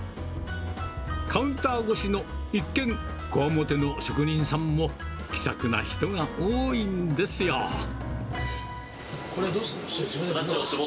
カウンター越しの一見こわもての職人さんも、気さくな人が多いんこれどうするの？